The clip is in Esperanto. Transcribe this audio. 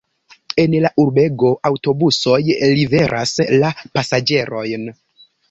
En la urbego aŭtobusoj liveras la pasaĝerojn.